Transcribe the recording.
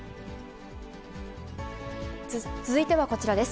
続いてはこちらです。